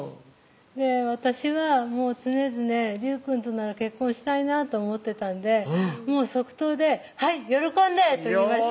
私はもう常々隆くんとなら結婚したいなと思ってたんでもう即答で「はい喜んで」と言いました